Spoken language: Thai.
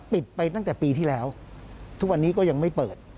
ปิดไปตั้งแต่ปีที่แล้วทุกวันนี้ก็ยังไม่เปิด